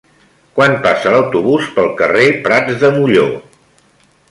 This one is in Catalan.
Quan passa l'autobús pel carrer Prats de Molló?